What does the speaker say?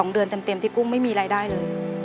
๒เดือนเต็มที่กุ้งไม่มีรายได้เลย